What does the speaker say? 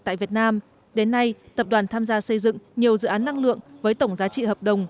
tại việt nam đến nay tập đoàn tham gia xây dựng nhiều dự án năng lượng với tổng giá trị hợp đồng